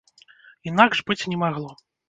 Інакш быць не магло.